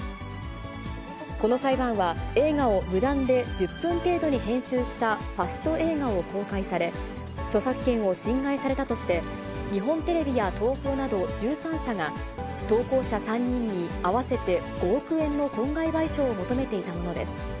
この裁判は、映画を無断で１０分程度に編集したファスト映画を公開され、著作権を侵害されたとして、日本テレビや東宝など１３社が、投稿者３人に合わせて５億円の損害賠償を求めていたものです。